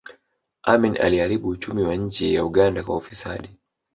amini aliharibu uchumi wa nchi ya uganda kwa ufisadi